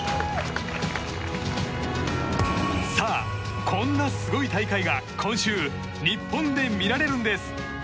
さあ、こんなすごい大会が今週、日本で見られるんです。